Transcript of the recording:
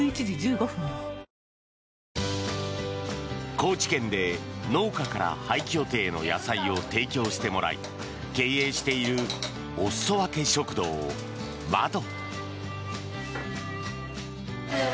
高知県で、農家から廃棄予定の野菜を提供してもらい経営しているおすそわけ食堂まど。